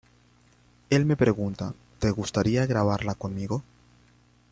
Él me pregunta '¿Te gustaría grabarla conmigo?